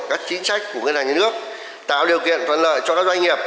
các chính sách của ngân hàng nhà nước tạo điều kiện thuận lợi cho các doanh nghiệp